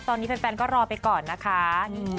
ตอนนี้แฟนก็รอไปก่อนนะคะ